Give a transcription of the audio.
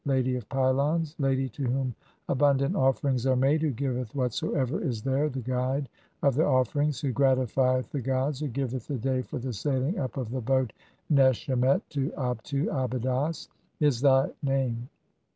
'Lady of pylons, lady to whom abundant offerings are "made, who giveth whatsoever is there, (?) the guide of the "offerings, who gratifieth the gods, who giveth the day for the "sailing up of the boat Neshemet to Abtu (Abydos)', is thy "name.